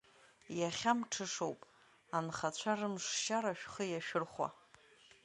Иахьа мҽышоуп, анхацәа рымшшьара шәхы иашәырхәа.